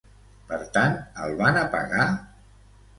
Per tant, el van apagar?